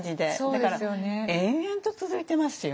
だから延々と続いてますよ。